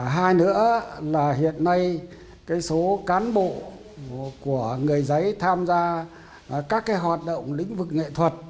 hai nữa là hiện nay số cán bộ của người giấy tham gia các hoạt động lĩnh vực nghệ thuật